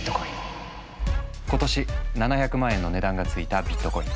今年７００万円の値段が付いたビットコイン。